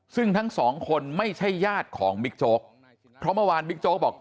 ซึ่งทั้งสองคนไม่ใช่ญาติของบิ๊กโจ๊กเพราะเมื่อวานบิ๊กโจ๊กบอก